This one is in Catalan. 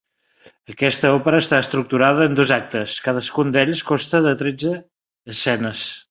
Aquesta òpera està estructurada en dos actes, cadascun d'ells consta de tretze escenes.